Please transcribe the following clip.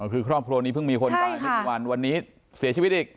คือครอบครัวนี้เพิ่งมีคนตายไม่กี่วันวันนี้เสียชีวิตอีก